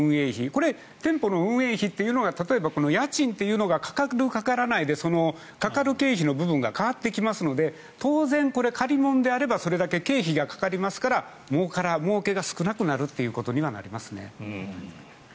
これ、店舗の運営費というのが家賃というのがかかる、かからないでかかる経費の部分が変わってきますので当然これ借り物であればそれだけ経費がかかりますからもうけが少なくなるということになりますね。